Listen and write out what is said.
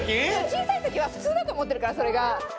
小さいときは普通だと思ってるからそれが。